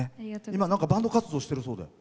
バンド活動しているそうで。